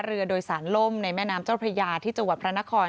เรือโดยสารล่มในแม่น้ำเจ้าพระยาที่จังหวัดพระนคร